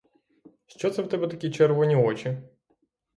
Що це в тебе такі червоні очі?